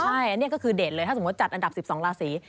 ใช่อันนี้ก็คือเด่นเลยถ้าสมมุติจัดอันดับ๑๒ราศี